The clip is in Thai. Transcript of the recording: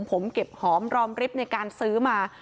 ผมเก็บหอมรอมริบในการซื้อมา